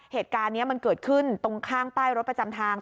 เหตุการณ์นี้มันเกิดขึ้นตรงข้างป้ายรถประจำทาง